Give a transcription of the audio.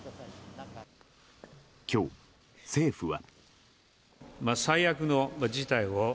今日、政府は。